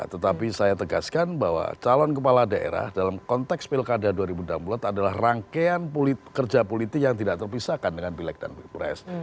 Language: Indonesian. tetapi saya tegaskan bahwa calon kepala daerah dalam konteks pilkada dua ribu dua puluh adalah rangkaian kerja politik yang tidak terpisahkan dengan pilek dan pilpres